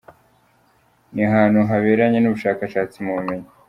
Ni ahantu haberanye n’ubushakashatsi mu by’ubumenyi.